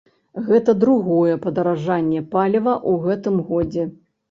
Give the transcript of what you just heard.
Гэта другое падаражанне паліва ў гэтым годзе.